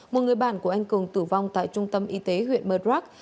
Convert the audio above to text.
một người bạn của anh cường tử vong tại trung tâm y tế huyện murdrock